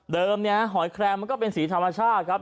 เดิมเนี่ยฮะหอยแครงมันก็เป็นสีธรรมชาติครับ